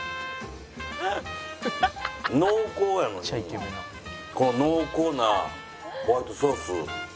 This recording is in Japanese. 濃厚やのにこの濃厚なホワイトソース。